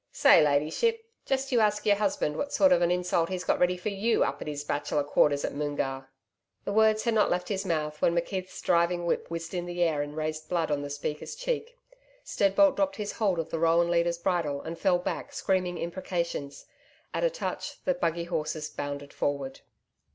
Say, Ladyship, just you ask your husband what a sort of an insult he's got ready for YOU up at his Bachelor's Quarters at Moongarr.' The words had not left his mouth when McKeith's driving whip whizzed in the air and raised blood on the speaker's cheek. Steadbolt dropped his hold of the roan leader's bridle and fell back screaming imprecations. At a touch, the buggy horses bounded forward.